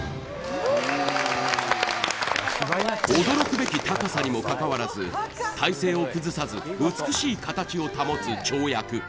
驚くべき高さにもかかわらず体勢を崩さず美しい形を保つ跳躍。